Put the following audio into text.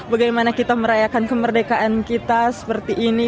bagaimana kita merayakan kemerdekaan kita seperti ini